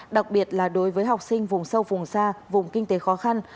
đặc biệt là đối với học sinh vùng sâu vùng xa vùng kinh tế khó khăn